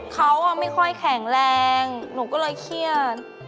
เขาไม่ค่อยแข็งแรงหนูก็เลยเครียด